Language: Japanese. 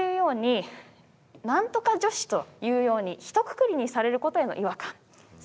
なんとか女子というようにひとくくりにされることへの違和感